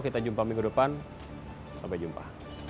kita jumpa minggu depan sampai jumpa